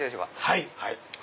はい。